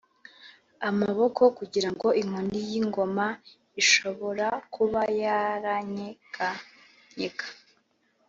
amaboko, kugirango inkoni yingoma ishobora kuba yaranyeganyega,